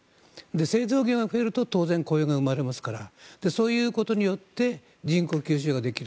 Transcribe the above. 製造業が増えると当然、雇用が生まれますからそういうことによって人口吸収ができる。